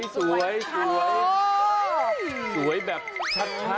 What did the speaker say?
สวยแบบชัดเลย